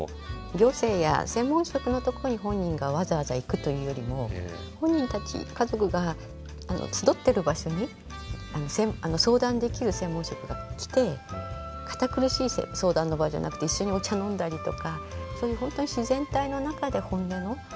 行政や専門職のとこに本人がわざわざ行くというよりも本人たち家族が集ってる場所に相談できる専門職が来て堅苦しい相談の場じゃなくて一緒にお茶飲んだりとかそういう本当に自然体の中で本音の相談が出るという。